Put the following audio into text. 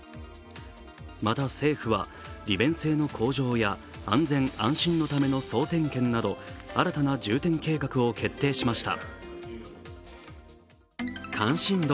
また政府は利便性の向上や安全・安心のための総点検など、新たな重点計画を決定しました。